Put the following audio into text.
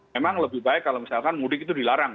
memang lebih baik kalau misalkan mudik itu dilarang